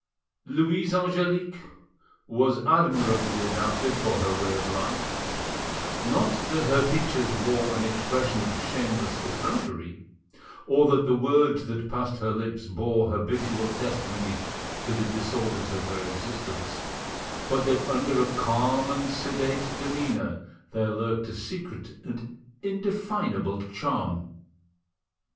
Louise Angelique was admirably adapted for her way of life; not that her features wore an expression of shameless effrontery, or that the words that passed her lips bore habitual testimony to the disorders of her existence, but that under a calm and sedate demeanour there lurked a secret and indefinable charm.